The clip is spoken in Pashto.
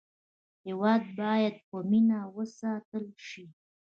هېواد باید په مینه وساتل شي.